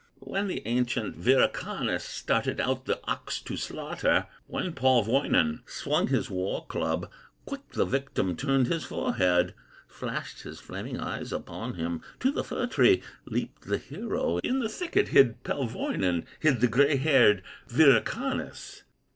When the ancient Wirokannas Started out the ox to slaughter, When Palwoinen swung his war club, Quick the victim turned his forehead, Flashed his flaming eyes upon him; To the fir tree leaped the hero, In the thicket hid Palwoinen, Hid the gray haired Wirokannas.